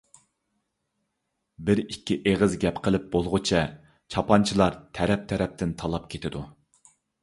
بىر-ئىككى ئېغىز گەپ قىلىپ بولغۇچە چاپانچىلار تەرەپ-تەرەپتىن تالاپ كېتىدۇ.